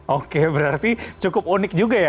oke berarti cukup unik juga ya